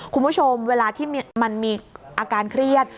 คุณผู้ชมเวลาที่มันมีอาการเครียด